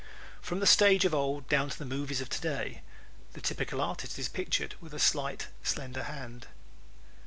From the stage of old down to the movies of today the typical artist is pictured with a slight, slender hand.